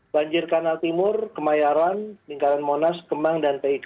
banjir kanal timur kemayoran lingkaran monas kemang dan pik